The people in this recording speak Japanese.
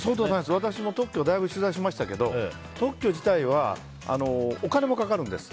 私も特許を大変取材しましたけど特許自体は、お金もかかるんです。